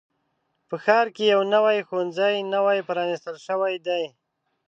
په ښار کې یو نوي ښوونځی نوی پرانیستل شوی دی.